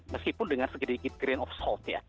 meskipun dengan sedikit grain of salt ya